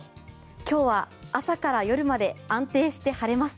今日は朝から夜まで安定して晴れます。